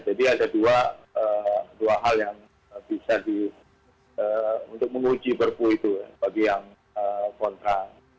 jadi ada dua hal yang bisa untuk menguji perpu itu bagi yang kontra